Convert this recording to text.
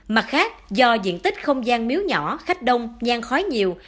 mặt khác do diện tích không gian miếu nhỏ khách đông nhang khói nhiều